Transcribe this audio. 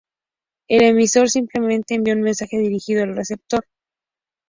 El emisor simplemente envía un mensaje dirigido al receptor.